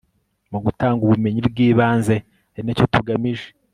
mu gutanga ubumenyi bw'ibanze ari na cyo tugamije